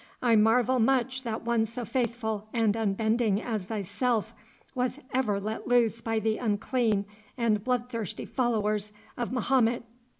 I marvel much that one so faithful and unbending as thyself was ever let loose by the unclean and bloodthirsty followers of Mahomet.